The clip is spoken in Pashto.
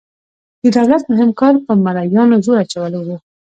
د دولت مهم کار په مرئیانو زور اچول وو.